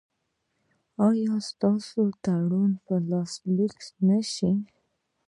ایا ستاسو تړون به لاسلیک نه شي؟